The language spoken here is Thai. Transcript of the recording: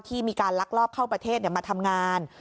มีการลักลอบเข้าประเทศมาทำงาน